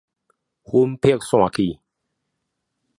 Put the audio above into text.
魂飛魄散